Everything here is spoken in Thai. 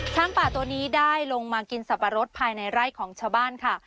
ช้างป่าตัวนี้ได้ลงมากินสับปะรดภายในไร่ของชาวบ้านค่ะ